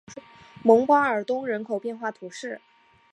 蒙巴尔东人口变化图示